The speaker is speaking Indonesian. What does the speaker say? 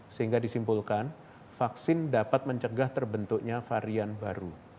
sehingga disimpulkan vaksin dapat mencegah terbentuknya varian baru